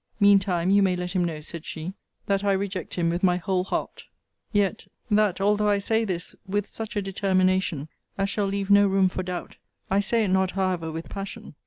Mean time, you may let him know, said she, that I reject him with my whole heart: yet, that although I say this with such a determination as shall leave no room for doubt, I say it not however with passion.